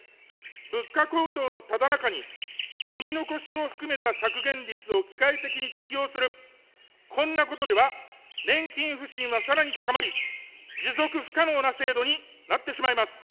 物価高騰のただ中に、積み残しを含めた削減率を機械的に適用する、こんなことでは年金不信はさらに高まり、持続不可能な制度になってしまいます。